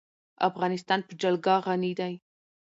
افغانستان په جلګه غني دی.